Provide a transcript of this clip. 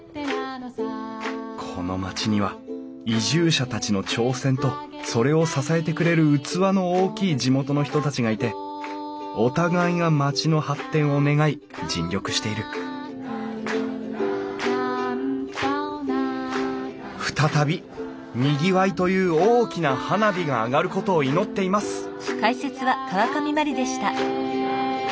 この町には移住者たちの挑戦とそれを支えてくれる器の大きい地元の人たちがいてお互いが町の発展を願い尽力している再びにぎわいという大きな花火が上がることを祈っています